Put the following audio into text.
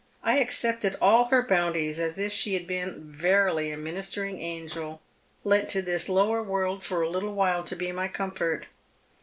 I accepted all her bounties as if she had been verily a ministering angel lent to this lower world for a little while to be my comfort.